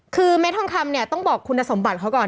คือเม็ดทองคำเนี่ยต้องบอกคุณสมบัติเขาก่อน